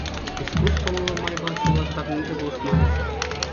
Искусствӑллӑ майпа сывлаттарни те пулӑшмарӗ.